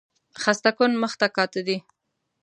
خسته کن مخ ته کاته دي